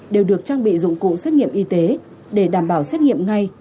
đều được trang bị dụng cụ xét nghiệm y tế để đảm bảo xét nghiệm ngay